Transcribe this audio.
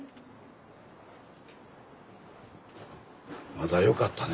まだよかったね